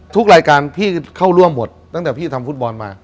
ทุกรายการพี่เข้าร่วมหมดตั้งแต่พี่ทำฟุตบอลมา